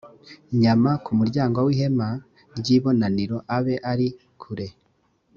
nyama ku muryango w ihema ry ibonaniro abe ari kure